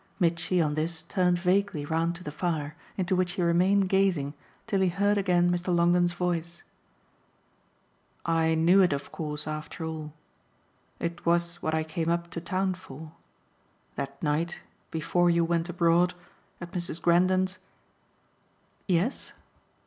Mitchy on this turned vaguely round to the fire, into which he remained gazing till he heard again Mr. Longdon's voice. "I knew it of course after all. It was what I came up to town for. That night, before you went abroad, at Mrs. Grendon's " "Yes?"